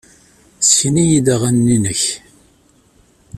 Ssken-iyi-d aɣanen-nnek.